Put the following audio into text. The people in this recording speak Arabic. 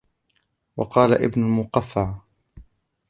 وَقَالَ ابْنُ الْمُقَفَّعِ